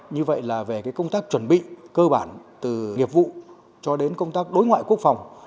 như vậy là về công tác chuẩn bị cơ bản từ nghiệp vụ cho đến công tác đối ngoại quốc phòng